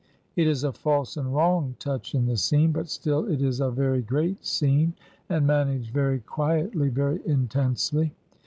It is a false and wrong touch in the scene, but still it is a very great scene, and managed very quietly, very intensely.